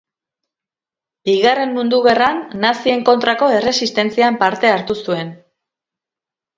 Bigarren Mundu Gerran nazien kontrako erresistentzian parte hartu zuen.